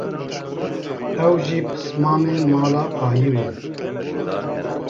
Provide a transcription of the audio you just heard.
ew jî pismamê mala Ayiw in